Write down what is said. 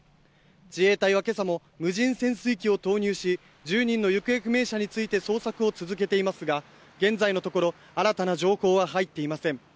自衛隊は今朝も無人潜水機を投入し１０人の行方不明者について捜索を続けていますが現在のところ新たな情報は入っていません。